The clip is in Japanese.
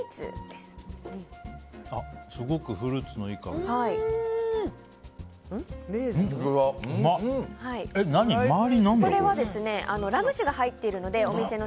すごくフルーツのいい香り。